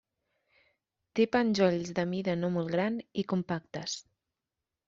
Té penjolls de mida no molt gran i compactes.